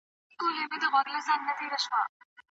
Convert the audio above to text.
رزمي موضوعاتو سره يوځای کېږي.